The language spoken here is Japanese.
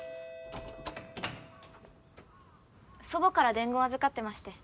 祖母から伝言預かってまして。